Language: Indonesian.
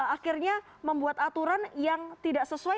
akhirnya membuat aturan yang tidak sesuai